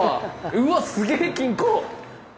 うわっすげえ金庫！